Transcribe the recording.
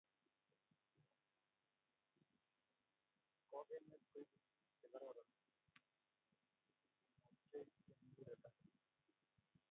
Kokenyet koibu tuguk che kororon kimwochkei eng muguleldo